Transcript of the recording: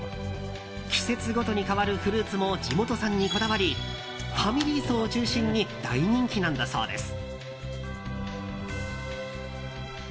季節ごとに変わるフルーツも地元産にこだわりファミリー層を中心に大人気なんだそうです。